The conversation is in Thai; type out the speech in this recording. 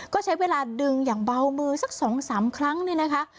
ก็ใช้เวลาดึงอย่างเบามือสัก๒๓ครั้งเนี่ยนะคะ